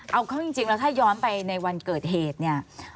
เอาเข้าจริงแล้วถ้าย้อนไปในวันเกิดเหตุเนี่ย